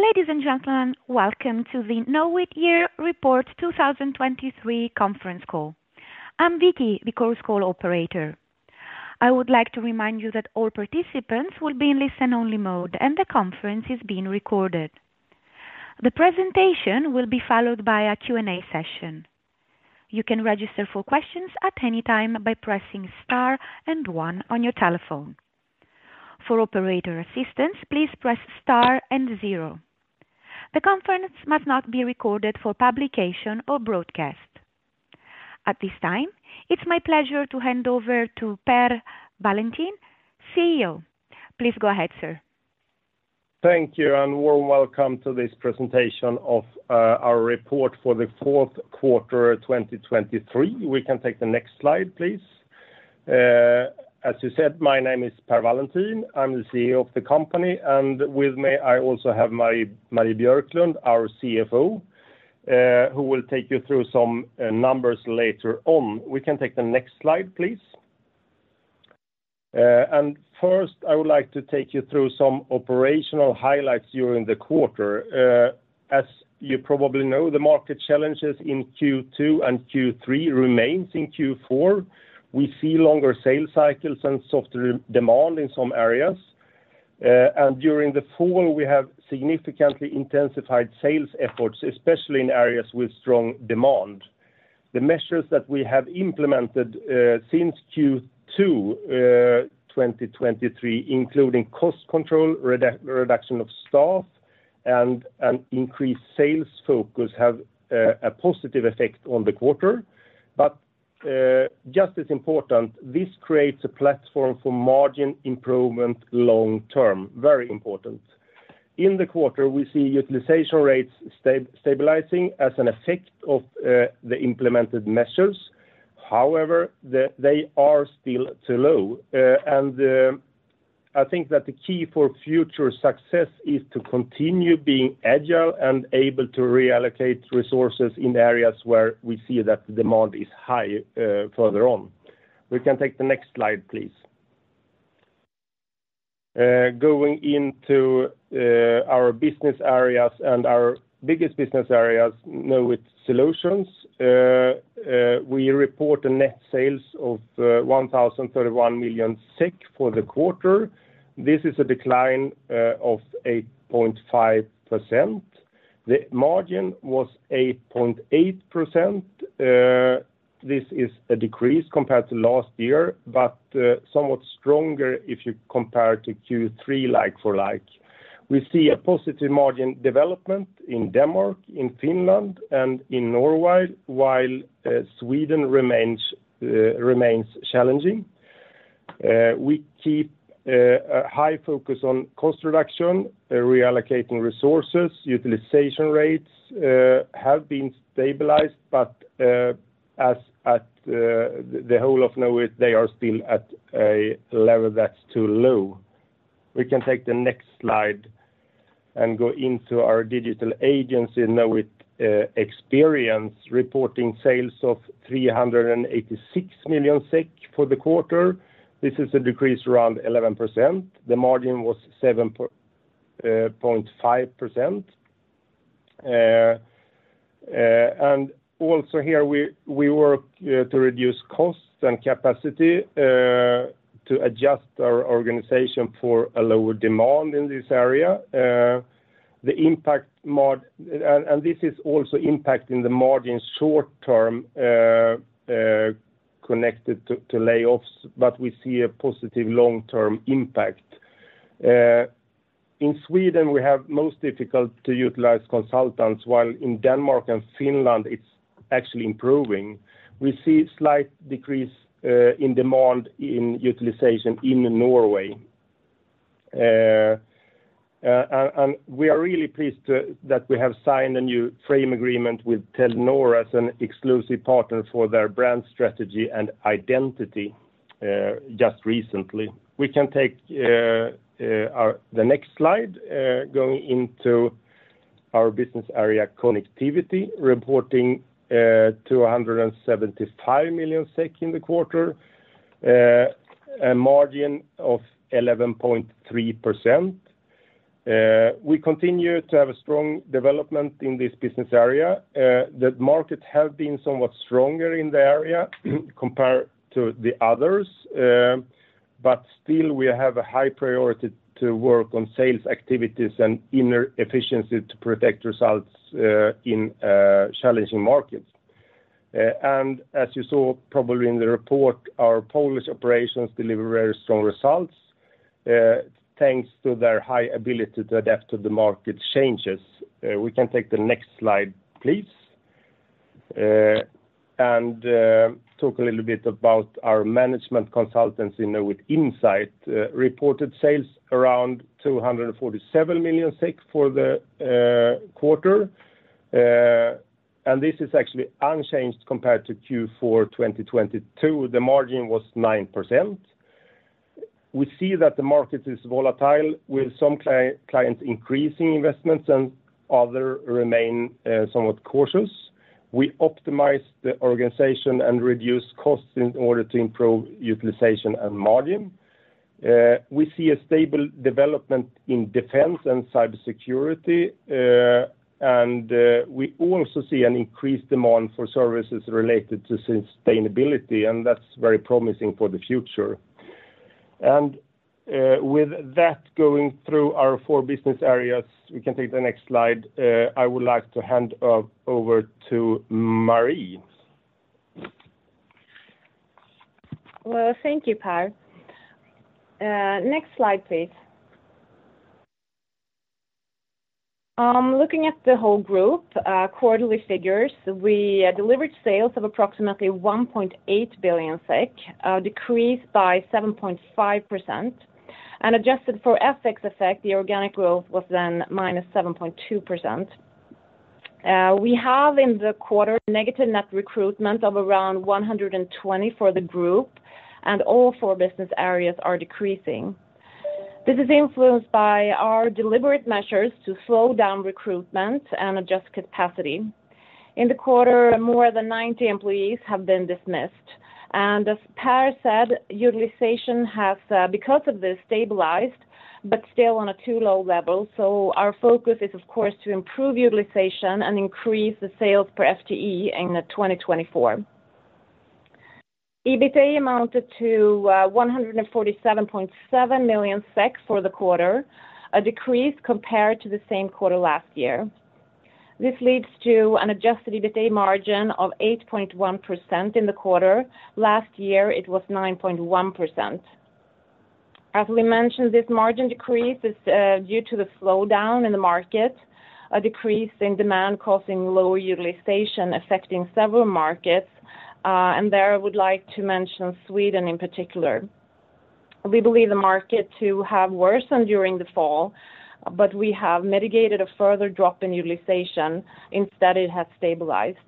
Ladies and gentlemen, welcome to the Knowit Year Report 2023 conference call. I'm Vicky, the conference call operator. I would like to remind you that all participants will be in listen-only mode, and the conference is being recorded. The presentation will be followed by a Q&A session. You can register for questions at any time by pressing star and one on your telephone. For operator assistance, please press star and zero. The conference must not be recorded for publication or broadcast. At this time, it's my pleasure to hand over to Per Wallentin, CEO. Please go ahead, sir. Thank you, and warm welcome to this presentation of our report for the fourth quarter, 2023. We can take the next slide, please. As you said, my name is Per Wallentin. I'm the CEO of the company, and with me, I also have Marie Björklund, our CFO, who will take you through some numbers later on. We can take the next slide, please. First, I would like to take you through some operational highlights during the quarter. As you probably know, the market challenges in Q2 and Q3 remains in Q4. We see longer sales cycles and softer demand in some areas. And during the fall, we have significantly intensified sales efforts, especially in areas with strong demand. The measures that we have implemented since Q2 2023, including cost control, reduction of staff, and an increased sales focus, have a positive effect on the quarter. But just as important, this creates a platform for margin improvement long term. Very important. In the quarter, we see utilization rates stabilizing as an effect of the implemented measures. However, they are still too low. I think that the key for future success is to continue being agile and able to reallocate resources in the areas where we see that the demand is high further on. We can take the next slide, please. Going into our business areas and our biggest business areas, Knowit Solutions, we report a net sales of 1,031 million SEK for the quarter. This is a decline of 8.5%. The margin was 8.8%. This is a decrease compared to last year, but somewhat stronger if you compare to Q3, like for like. We see a positive margin development in Denmark, in Finland, and in Norway, while Sweden remains challenging. We keep a high focus on cost reduction, reallocating resources. Utilization rates have been stabilized, but as at the whole of Knowit, they are still at a level that's too low. We can take the next slide and go into our digital agency, Knowit Experience, reporting sales of 386 million SEK for the quarter. This is a decrease around 11%. The margin was 7.5%. And also here, we work to reduce costs and capacity to adjust our organization for a lower demand in this area. The impact and this is also impacting the margin short term connected to layoffs, but we see a positive long-term impact. In Sweden, we have most difficult to utilize consultants, while in Denmark and Finland, it's actually improving. We see slight decrease in demand in utilization in Norway. And we are really pleased that we have signed a new frame agreement with Telenor as an exclusive partner for their brand strategy and identity just recently. We can take the next slide going into our business area, Connectivity, reporting 275 million SEK in the quarter, a margin of 11.3%. We continue to have a strong development in this business area. The markets have been somewhat stronger in the area compared to the others, but still, we have a high priority to work on sales activities and inner efficiency to protect results, in challenging markets. And as you saw probably in the report, our Polish operations deliver very strong results, thanks to their high ability to adapt to the market changes. We can take the next slide, please, and talk a little bit about our management consultancy, Knowit Insight. Reported sales around 247 million SEK for the quarter, and this is actually unchanged compared to Q4 2022. The margin was 9%. We see that the market is volatile, with some clients increasing investments and others remain somewhat cautious. We optimize the organization and reduce costs in order to improve utilization and margin. We see a stable development in defense and cybersecurity, and we also see an increased demand for services related to sustainability, and that's very promising for the future. With that, going through our four business areas, we can take the next slide. I would like to hand over to Marie. Well, thank you, Per. Next slide, please. Looking at the whole group, quarterly figures, we delivered sales of approximately 1.8 billion SEK, decreased by 7.5%. Adjusted for FX effect, the organic growth was then -7.2%. We have in the quarter, negative net recruitment of around 120 for the group, and all four business areas are decreasing. This is influenced by our deliberate measures to slow down recruitment and adjust capacity. In the quarter, more than 90 employees have been dismissed, and as Per said, utilization has, because of this, stabilized, but still on a too low level. Our focus is, of course, to improve utilization and increase the sales per FTE in 2024. EBITDA amounted to 147.7 million SEK for the quarter, a decrease compared to the same quarter last year. This leads to an adjusted EBITDA margin of 8.1% in the quarter. Last year, it was 9.1%. As we mentioned, this margin decrease is due to the slowdown in the market, a decrease in demand causing lower utilization, affecting several markets, and there I would like to mention Sweden in particular. We believe the market to have worsened during the fall, but we have mitigated a further drop in utilization. Instead, it has stabilized.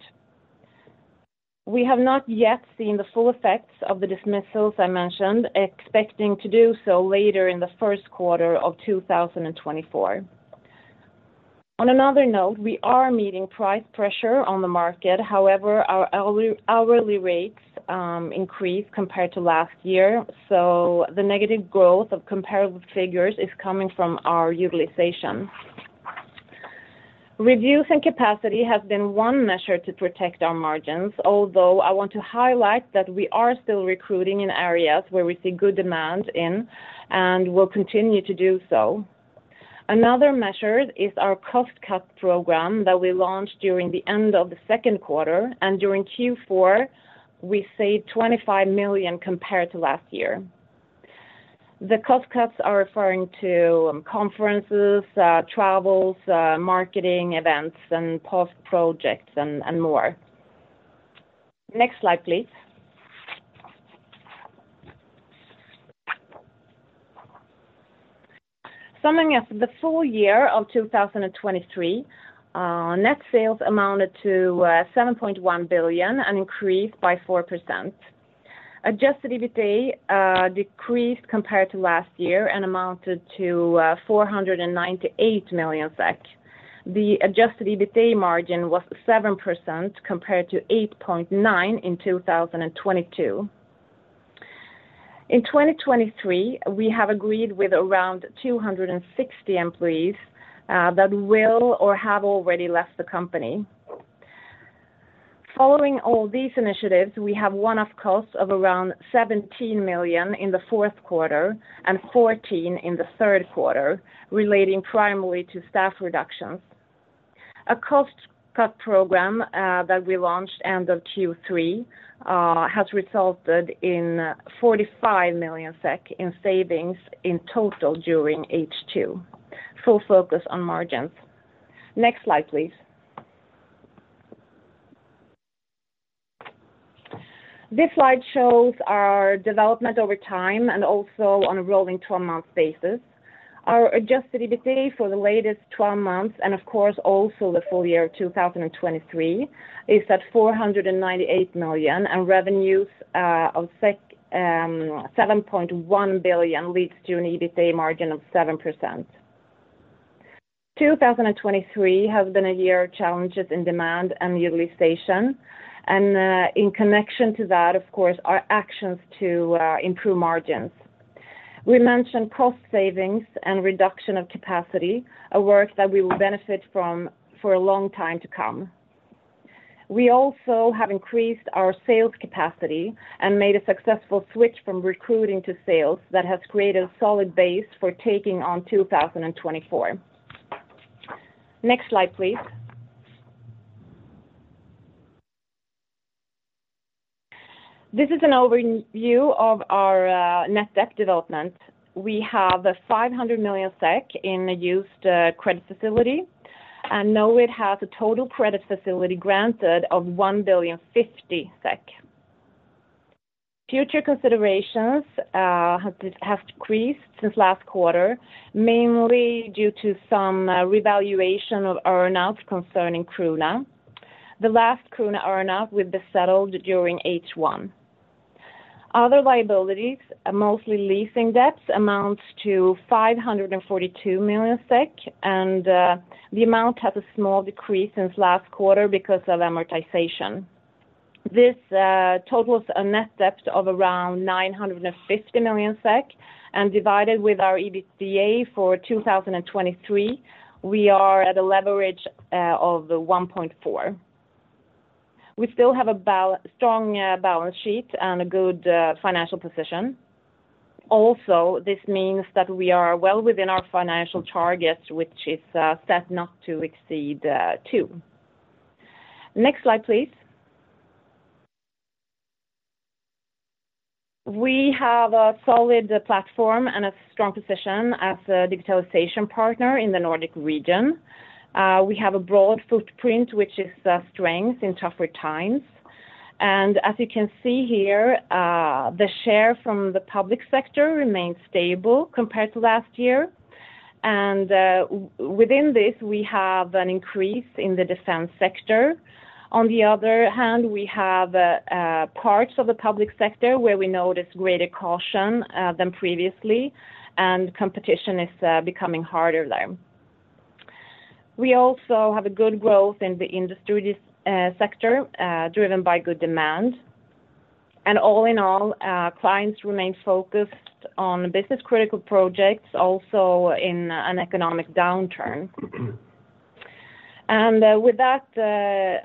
We have not yet seen the full effects of the dismissals I mentioned, expecting to do so later in the first quarter of 2024. On another note, we are meeting price pressure on the market. However, our hourly rates increased compared to last year, so the negative growth of comparable figures is coming from our utilization. Reviews and capacity has been one measure to protect our margins, although I want to highlight that we are still recruiting in areas where we see good demand in, and will continue to do so. Another measure is our cost cut program that we launched during the end of the second quarter, and during Q4, we saved 25 million compared to last year. The cost cuts are referring to conferences, travels, marketing events, and post projects and more. Next slide, please. Summing up the full year of 2023, net sales amounted to 7.1 billion, an increase by 4%. Adjusted EBITDA decreased compared to last year and amounted to 498 million SEK. The adjusted EBITDA margin was 7%, compared to 8.9% in 2022. In 2023, we have agreed with around 260 employees that will or have already left the company. Following all these initiatives, we have one-off costs of around 17 million in the fourth quarter and 14 million in the third quarter, relating primarily to staff reductions. A cost cut program that we launched end of Q3 has resulted in 45 million SEK in savings in total during H2. Full focus on margins. Next slide, please. This slide shows our development over time and also on a rolling 12-month basis. Our adjusted EBITDA for the latest 12 months, and of course, also the full year of 2023, is at 498 million, and revenues of 7.1 billion, leads to an EBITDA margin of 7%. 2023 has been a year of challenges in demand and utilization, and in connection to that, of course, our actions to improve margins. We mentioned cost savings and reduction of capacity, a work that we will benefit from for a long time to come. We also have increased our sales capacity and made a successful switch from recruiting to sales that has created a solid base for taking on 2024. Next slide, please. This is an overview of our net debt development. We have 500 million SEK in a used credit facility, and now it has a total credit facility granted of 1,050 million SEK. Future considerations have decreased since last quarter, mainly due to some revaluation of earn-outs concerning Creuna. The last Creuna earn-out will be settled during H1. Other liabilities, mostly leasing debts, amounts to 542 million SEK, and the amount had a small decrease since last quarter because of amortization. This totals a net debt of around 950 million SEK, and divided with our EBITDA for 2023, we are at a leverage of 1.4. We still have a strong balance sheet and a good financial position. Also, this means that we are well within our financial targets, which is set not to exceed two. Next slide, please. We have a solid platform and a strong position as a digitalization partner in the Nordic region. We have a broad footprint, which is a strength in tougher times. And as you can see here, the share from the public sector remains stable compared to last year. And within this, we have an increase in the defense sector. On the other hand, we have parts of the public sector where we notice greater caution than previously, and competition is becoming harder there. We also have a good growth in the industry sector driven by good demand. And all in all, clients remain focused on business-critical projects, also in an economic downturn. With that,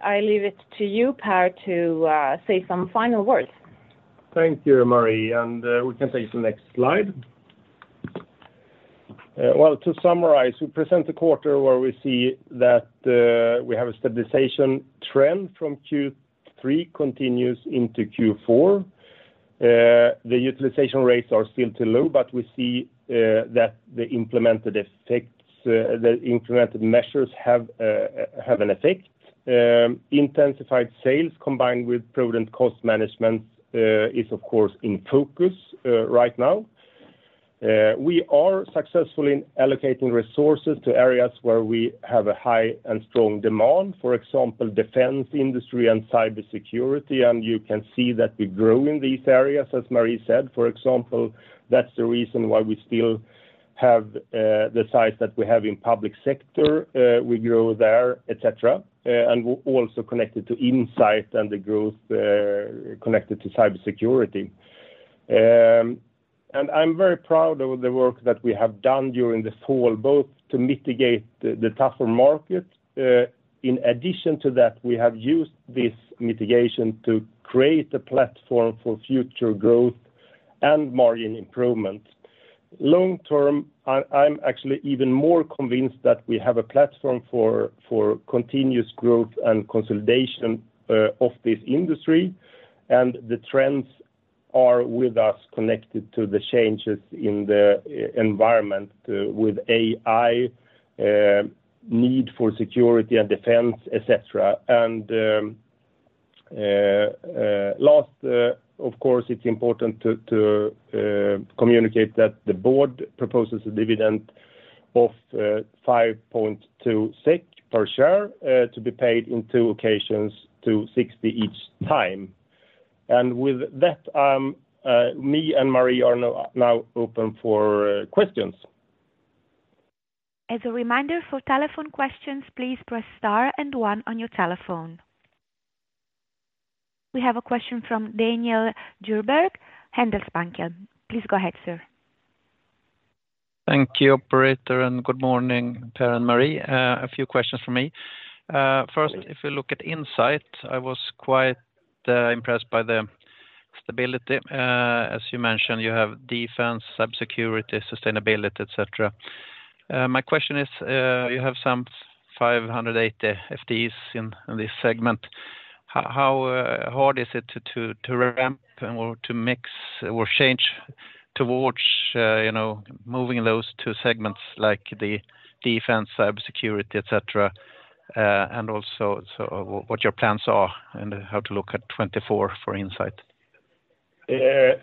I leave it to you, Per, to say some final words. Thank you, Marie. We can take the next slide. Well, to summarize, we present a quarter where we see that we have a stabilization trend from Q3 continues into Q4. The utilization rates are still too low, but we see that the implemented measures have an effect. Intensified sales, combined with prudent cost management, is, of course, in focus right now. We are successfully allocating resources to areas where we have a high and strong demand, for example, defense, industry, and cybersecurity, and you can see that we grow in these areas, as Marie said. For example, that's the reason why we still have the size that we have in public sector, we grow there, et cetera, and also connected to Insight and the growth connected to cybersecurity. And I'm very proud of the work that we have done during this fall, both to mitigate the tougher market. In addition to that, we have used this mitigation to create a platform for future growth and margin improvement. Long term, I'm actually even more convinced that we have a platform for continuous growth and consolidation of this industry, and the trends are with us connected to the changes in the environment with AI, need for security and defense, et cetera. Last, of course, it's important to communicate that the board proposes a dividend of 5.2 SEK per share, to be paid in two occasions, 2.60 each time. With that, me and Marie are now open for questions. As a reminder, for telephone questions, please press Star and One on your telephone. We have a question from Daniel Djurberg, Handelsbanken. Please go ahead, sir. Thank you, operator, and good morning, Per and Marie. A few questions from me. First, if you look at Insight, I was quite impressed by the stability. As you mentioned, you have defense, cybersecurity, sustainability, et cetera. My question is, you have some 580 FTEs in this segment. How hard is it to ramp and/or to mix or change towards, you know, moving those two segments, like the defense, cybersecurity, et cetera, and also, so what your plans are and how to look at 2024 for Insight? It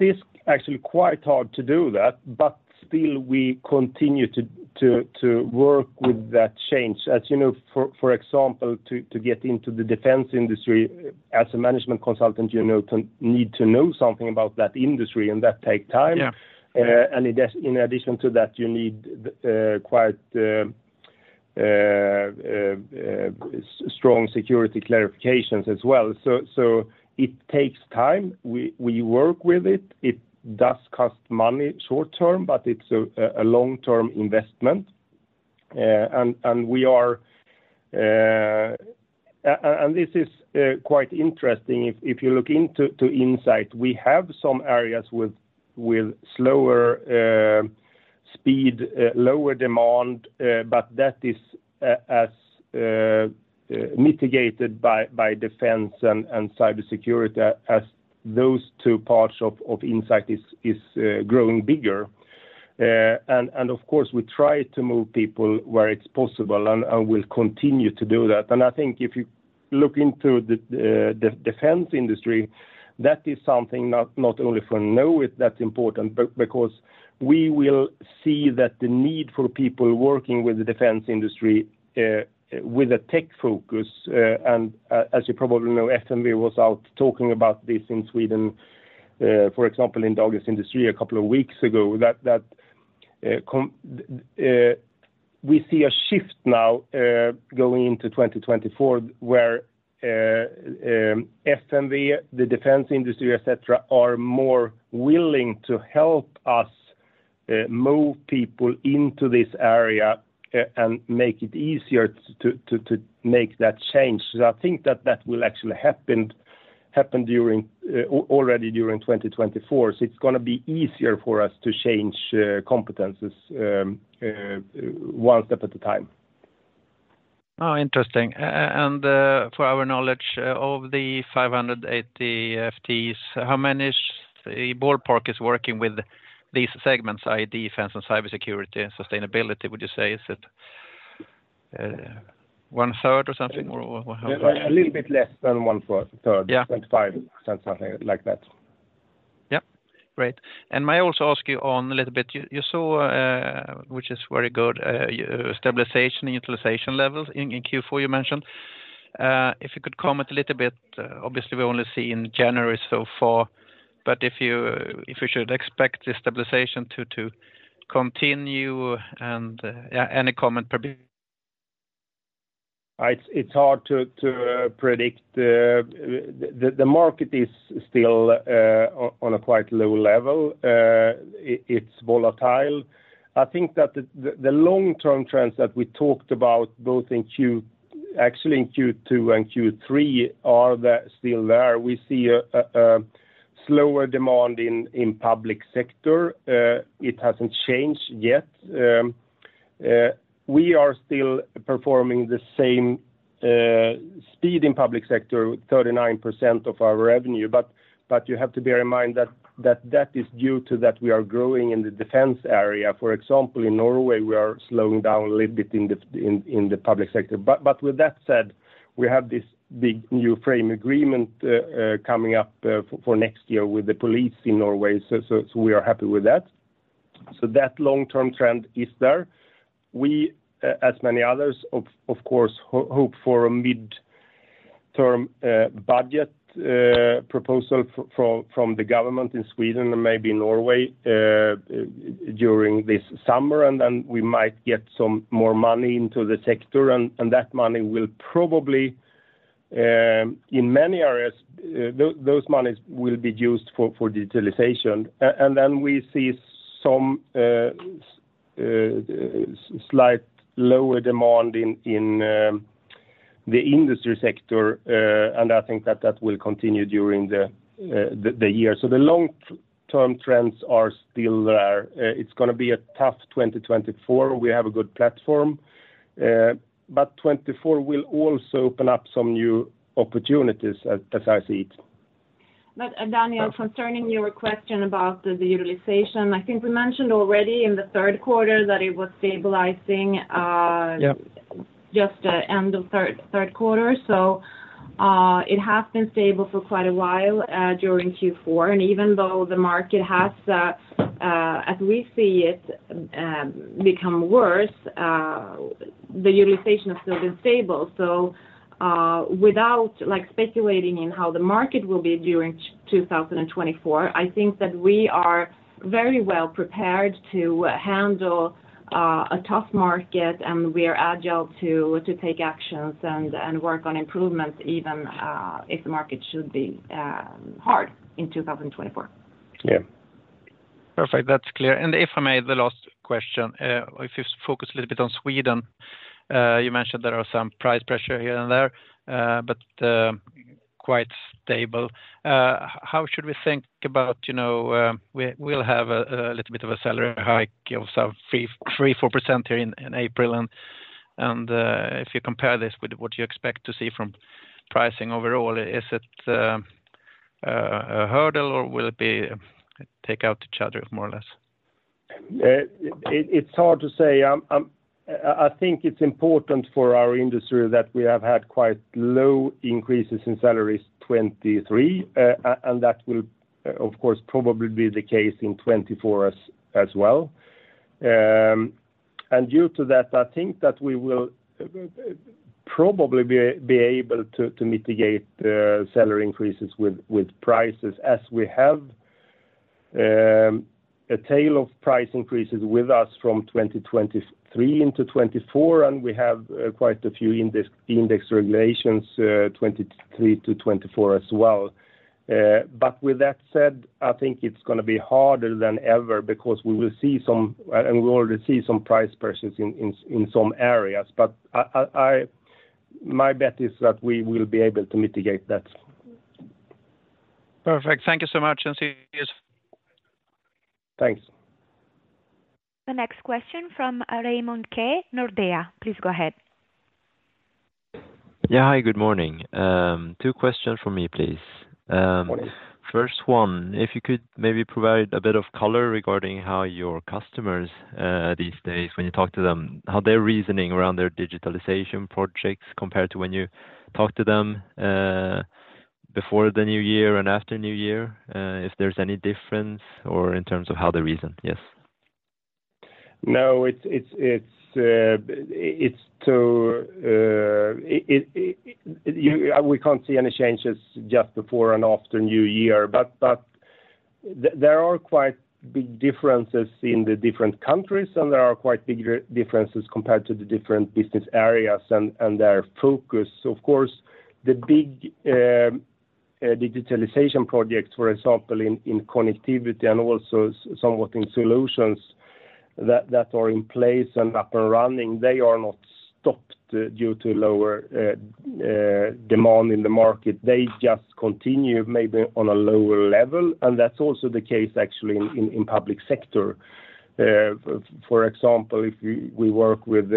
is actually quite hard to do that, but still we continue to work with that change. As you know, for example, to get into the defense industry, as a management consultant, you know, to need to know something about that industry, and that take time. And in addition to that, you need quite strong security clarifications as well. So it takes time. We work with it. It does cost money short term, but it's a long-term investment. And we are... And this is quite interesting. If you look into Insight, we have some areas with slower speed, lower demand, but that is as mitigated by defense and cybersecurity as those two parts of Insight is growing bigger. And, of course, we try to move people where it's possible, and we'll continue to do that. I think if you look into the defense industry, that is something not only for Knowit that's important, but because we will see that the need for people working with the defense industry with a tech focus, and as you probably know, FMV was out talking about this in Sweden, for example, in the aerospace industry a couple of weeks ago, that we see a shift now going into 2024, where FMV, the defense industry, et cetera, are more willing to help us move people into this area and make it easier to make that change. So I think that that will actually happen already during 2024. It's gonna be easier for us to change competencies one step at a time. Oh, interesting. And, for our knowledge, of the 580 FTEs, how many is, a ballpark is working with these segments, i.e., defense and cybersecurity and sustainability, would you say? Is it, one-third or something, or, or how? A little bit less than one-third. Yeah. 25%, something like that. Yeah, great. And may I also ask you on a little bit, you saw, which is very good, stabilization, utilization levels in Q4, you mentioned. If you could comment a little bit, obviously, we only see in January so far, but if you should expect the stabilization to continue, and yeah, any comment probably? It's hard to predict. The market is still on a quite low level. It's volatile. I think that the long-term trends that we talked about, both in Q2 and Q3, are there, still there. We see a slower demand in public sector. It hasn't changed yet. We are still performing the same speed in public sector, 39% of our revenue. But you have to bear in mind that that is due to that we are growing in the defense area. For example, in Norway, we are slowing down a little bit in the public sector. But with that said, we have this big new frame agreement coming up for next year with the police in Norway, so we are happy with that. So that long-term trend is there. We, as many others, of course, hope for a mid-term budget proposal from the government in Sweden and maybe Norway during this summer, and then we might get some more money into the sector. And that money will probably, in many areas, those monies will be used for digitalization. And then we see some slight lower demand in the industry sector, and I think that that will continue during the year. So the long-term trends are still there. It's gonna be a tough 2024. We have a good platform, but 2024 will also open up some new opportunities as I see it. But Daniel, concerning your question about the utilization, I think we mentioned already in the third quarter that it was stabilizing. Yeah... just the end of third quarter. So, it has been stable for quite a while during Q4. And even though the market has, as we see it, become worse, the utilization has still been stable. So, without, like, speculating in how the market will be during 2024, I think that we are very well prepared to handle a tough market, and we are agile to take actions and work on improvements, even if the market should be hard in 2024. Yeah. Perfect. That's clear. And if I may, the last question, if you focus a little bit on Sweden, you mentioned there are some price pressure here and there, but quite stable. How should we think about, you know, we'll have a little bit of a salary hike of some 3%-4% here in April. And if you compare this with what you expect to see from pricing overall, is it a hurdle, or will it be take out each other, more or less? It's hard to say. I think it's important for our industry that we have had quite low increases in salaries in 2023, and that will, of course, probably be the case in 2024 as well. And due to that, I think that we will probably be able to mitigate the salary increases with prices, as we have a tail of price increases with us from 2023 into 2024, and we have quite a few index regulations 2023 to 2024 as well. But with that said, I think it's gonna be harder than ever because we will see some, and we already see some price pressures in some areas. But my bet is that we will be able to mitigate that. Perfect. Thank you so much, and see you, yes. Thanks. The next question from Raymond Ke, Nordea. Please go ahead. Yeah, hi, good morning. Two questions for me, please. Morning. First one, if you could maybe provide a bit of color regarding how your customers, these days, when you talk to them, how they're reasoning around their digitalization projects compared to when you talked to them, before the new year and after new year, if there's any difference or in terms of how they reason, yes? No, it's... We can't see any changes just before and after new year. But... There are quite big differences in the different countries, and there are quite bigger differences compared to the different business areas and their focus. Of course, the big digitalization projects, for example, in Connectivity and also somewhat in Solutions that are in place and up and running, they are not stopped due to lower demand in the market. They just continue maybe on a lower level, and that's also the case actually in public sector. For example, if we work with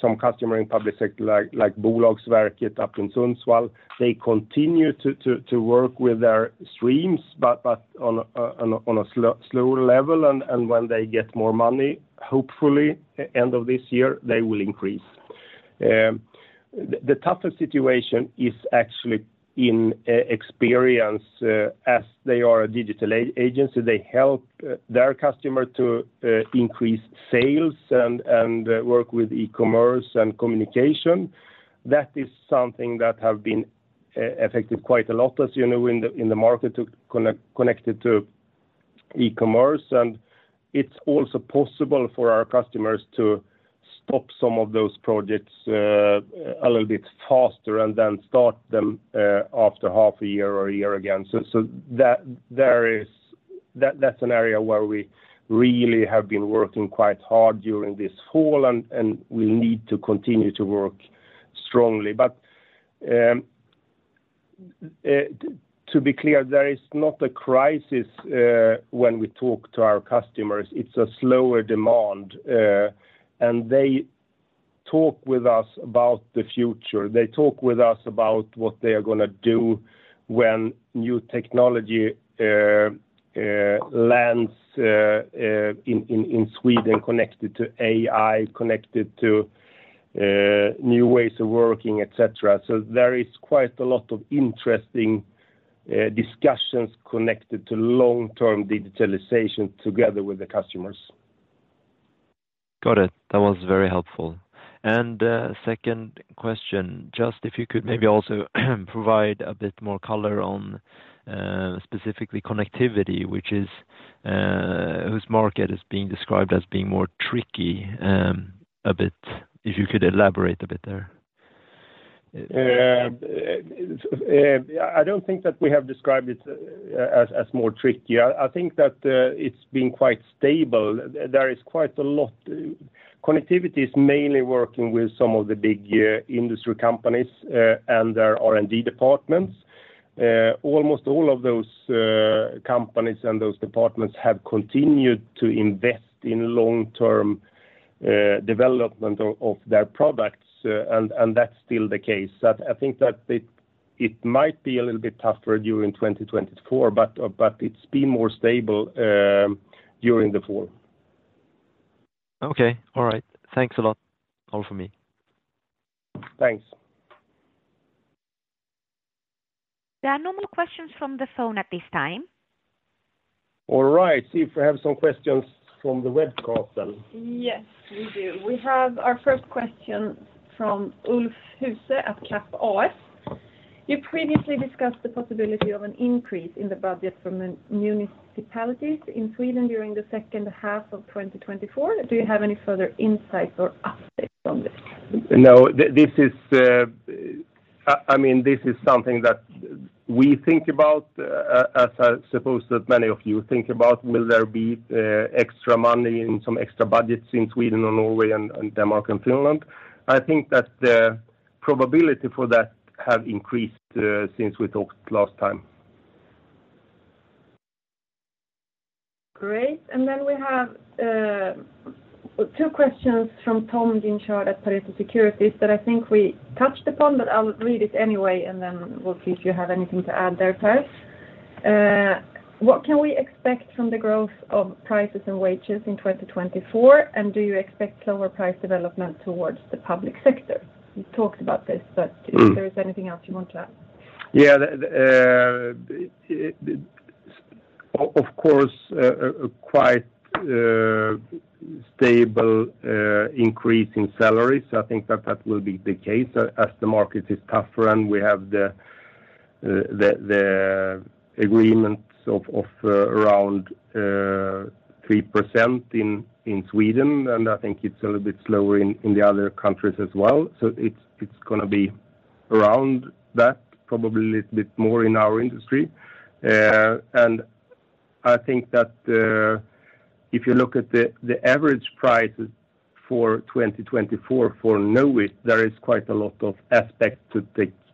some customer in public sector, like Bolagsverket up in Sundsvall, they continue to work with their streams, but on a slower level, and when they get more money, hopefully end of this year, they will increase. The tougher situation is actually in Experience, as they are a digital agency. They help their customer to increase sales and work with e-commerce and communication. That is something that have been affected quite a lot, as you know, in the market connected to e-commerce. And it's also possible for our customers to stop some of those projects a little bit faster and then start them after half a year or a year again. So, that is an area where we really have been working quite hard during this fall, and we need to continue to work strongly. But to be clear, there is not a crisis when we talk to our customers; it's a slower demand. And they talk with us about the future. They talk with us about what they are gonna do when new technology lands in Sweden, connected to AI, connected to new ways of working, et cetera. So there is quite a lot of interesting discussions connected to long-term digitalization together with the customers. Got it. That was very helpful. And, second question, just if you could maybe also provide a bit more color on specifically connectivity, which is whose market is being described as being more tricky a bit. If you could elaborate a bit there. I don't think that we have described it as more tricky. I think that it's been quite stable. There is quite a lot. Connectivity is mainly working with some of the big industry companies and their R&D departments. Almost all of those companies and those departments have continued to invest in long-term development of their products and that's still the case. I think that it might be a little bit tougher during 2024, but it's been more stable during the fall. Okay. All right. Thanks a lot. All for me. Thanks. There are no more questions from the phone at this time. All right, see if we have some questions from the web call then. Yes, we do. We have our first question from Ulf Huse at H-Cap AS. You previously discussed the possibility of an increase in the budget from the municipalities in Sweden during the second half of 2024. Do you have any further insights or updates on this? No, this is, I mean, this is something that we think about, as I suppose that many of you think about, will there be extra money and some extra budgets in Sweden and Norway and Denmark and Finland? I think that the probability for that have increased, since we talked last time. Great. And then we have two questions from Tom Ginshaw at Pareto Securities that I think we touched upon, but I'll read it anyway, and then we'll see if you have anything to add there, Per. What can we expect from the growth of prices and wages in 2024, and do you expect lower price development towards the public sector? You talked about this, but if there is anything else you want to add. Yeah, of course, a quite stable increase in salaries. I think that that will be the case as the market is tougher, and we have the agreements of around 3% in Sweden, and I think it's a little bit slower in the other countries as well. So it's gonna be around that, probably a little bit more in our industry. And I think that if you look at the average prices for 2024 for Knowit, there is quite a lot of aspects to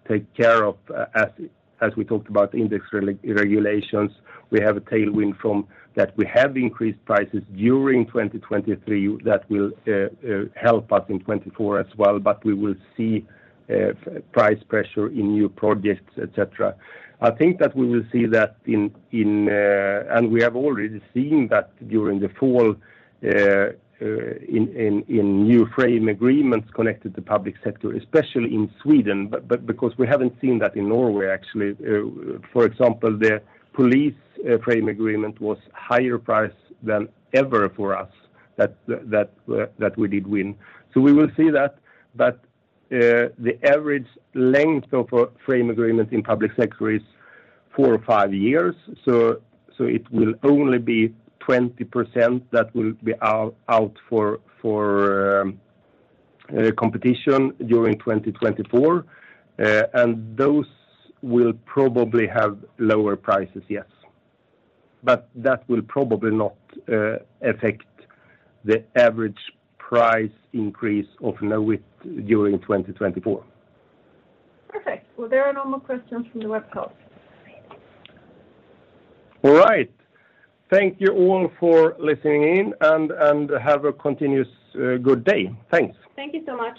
take care of. As we talked about index regulations, we have a tailwind from that we have increased prices during 2023. That will help us in 2024 as well, but we will see price pressure in new projects, et cetera. I think that we will see that in... And we have already seen that during the fall in new frame agreements connected to public sector, especially in Sweden, but because we haven't seen that in Norway, actually. For example, the police frame agreement was higher price than ever for us, that we did win. So we will see that, but the average length of a frame agreement in public sector is four or five years. So it will only be 20% that will be out for competition during 2024. And those will probably have lower prices, yes. But that will probably not affect the average price increase of Knowit during 2024. Perfect. Well, there are no more questions from the web call. All right. Thank you all for listening in, and have a continuous good day. Thanks. Thank you so much.